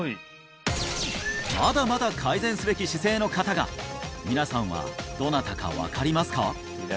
まだまだ改善すべき姿勢の方が皆さんはどなたか分かりますか？